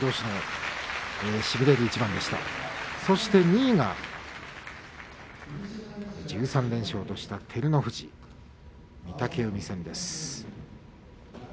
２位が１３連勝とした照ノ富士、御嶽海戦です。